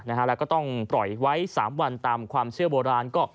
แล้วก็ต้องปล่อยไว้๓วันตามความเชื่อโบราณ